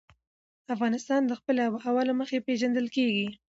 افغانستان د خپلې آب وهوا له مخې پېژندل کېږي.